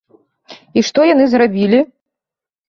І што яны зрабілі?